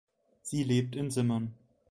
Sie lebt in Simmern.